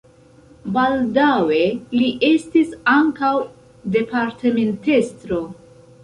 Baldaŭe li estis ankaŭ departementestro.